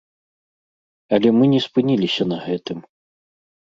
Але мы не спыніліся на гэтым.